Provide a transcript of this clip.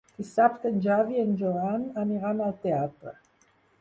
Dissabte en Xavi i en Joan aniran al teatre.